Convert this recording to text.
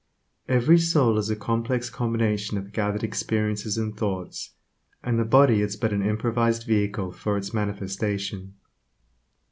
Every soul is a complex combination of gathered experiences and thoughts, and the body is but an improvised vehicle for its manifestation.